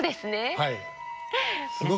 はい。